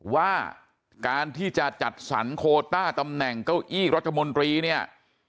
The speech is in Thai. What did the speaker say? ว่าการที่จะจัดสรรโคต้าตำแหน่งเก้าอี้รัฐมนตรีเนี่ย